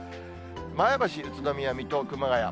前橋、宇都宮、水戸、熊谷。